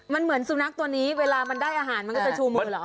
มันเหมือนสุนัขตัวนี้เวลามันได้อาหารมันก็จะชูมือเหรอ